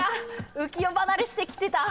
浮世離れしてきてた。